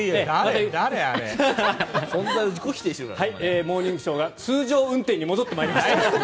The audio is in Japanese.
「モーニングショー」が通常運転に戻ってまいりました。